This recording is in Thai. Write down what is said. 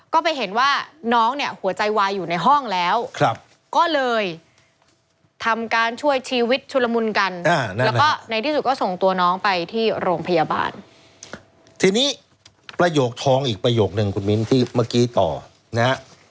ก็เลยต่อสายบอกว่า